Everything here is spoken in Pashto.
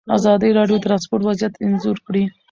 ازادي راډیو د ترانسپورټ وضعیت انځور کړی.